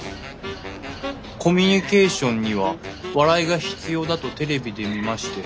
「コミュニケーションには笑いが必要だとテレビで見まして。